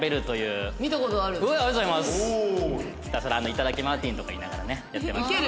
ひたすら「いただきマーティン」とか言いながらねやってました。